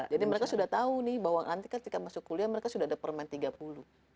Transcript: jadi mereka sudah tahu bahwa nanti ketika masuk kuliah mereka sudah ada permendikbud tiga puluh